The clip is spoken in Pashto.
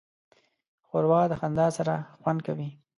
ښوروا د خندا سره خوند کوي.